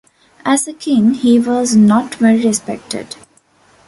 As a king, he was not very respected.